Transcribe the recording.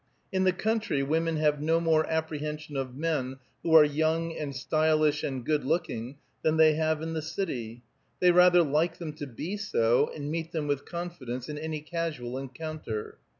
In the country women have no more apprehension of men who are young and stylish and good looking than they have in the city; they rather like them to be so, and meet them with confidence in any casual encounter.